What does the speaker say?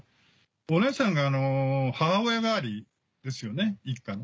お姉さんが母親代わりですよね一家の。